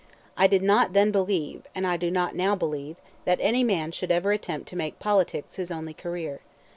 I did not then believe, and I do not now believe, that any man should ever attempt to make politics his only career.